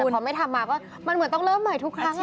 พอไม่ทำมาก็มันเหมือนต้องเริ่มใหม่ทุกครั้ง